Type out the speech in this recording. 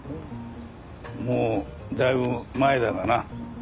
もうだいぶ前だがな。